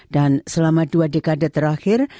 dan selama dua dekade terakhir